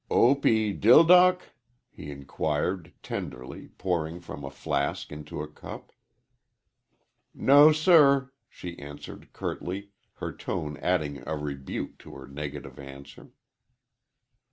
"Opeydildock?" he inquired, tenderly, pouring from a flask into a cup. "No, sir," she answered, curtly, her tone adding a rebuke to her negative answer.